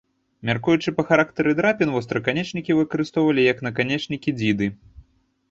Мяркуючы па характары драпін, востраканечнікі выкарыстоўвалі як наканечнікі дзіды.